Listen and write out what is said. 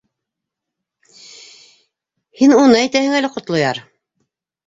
— Һин уны әйтәһең әле, Ҡотлояр.